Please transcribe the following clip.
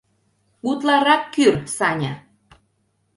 — Утларак кӱр, Саня!